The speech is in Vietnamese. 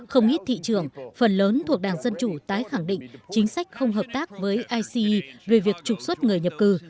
không ít thị trường phần lớn thuộc đảng dân chủ tái khẳng định chính sách không hợp tác với ice về việc trục xuất người nhập cư